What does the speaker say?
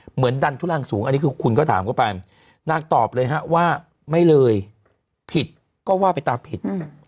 เหมือนดันทุรังสูงอันนี้คือคุณก็ถามเข้าไปนางตอบเลยฮะว่าไม่เลยผิดก็ว่าไปตามผิด